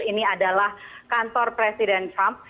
ini adalah kantor presiden trump